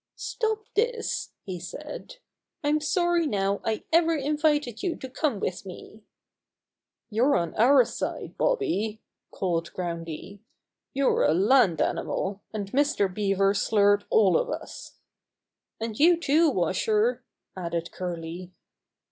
*'Stop this," he said. "Pm sorry now I ever invited you to come with me." "You're on our side, Bobby!" called Groundy. "You're a land animal, and Mr. Beaver slurred all of us." "And you, too. Washer!" added Curly.